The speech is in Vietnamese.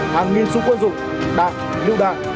hàng nghìn súng quân dụng đạn lưu đạn